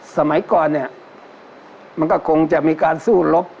สมัยก่อนเนี่ยมันก็คงจะมีการสู้รบ